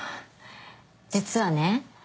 実はね。